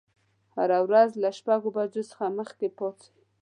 هره ورځ له شپږ بجو څخه مخکې پاڅئ.